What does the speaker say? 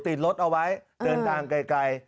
ติดรถเอาไว้เดินทางไกล